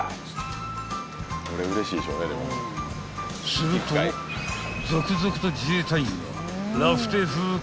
［すると続々と自衛隊員が］